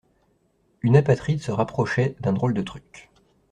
Une apatride se rapprochait d'un drôle de truc.